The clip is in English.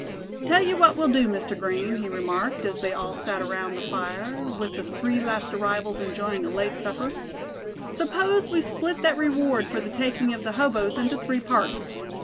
"Tell you what we'll do, Mr. Green," he remarked, as they all sat around the fire, with the three last arrivals enjoying a late supper; "suppose we split that reward for the taking of the hoboes into three parts.